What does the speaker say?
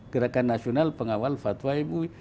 gerakan nasional pengawal fatwa mui